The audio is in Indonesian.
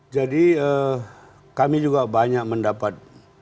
jadi kami juga banyak mendapat